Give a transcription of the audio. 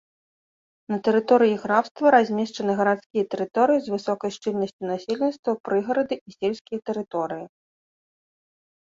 На тэрыторыі графства размешчаны гарадскія тэрыторыі з высокай шчыльнасцю насельніцтва, прыгарады і сельскія тэрыторыі.